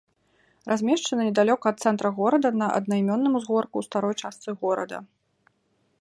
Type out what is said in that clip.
Размешчана недалёка ад цэнтра горада на аднайменным узгорку ў старой частцы горада.